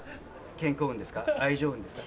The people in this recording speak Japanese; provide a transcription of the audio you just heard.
健康運ですか？